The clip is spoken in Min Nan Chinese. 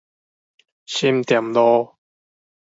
新店路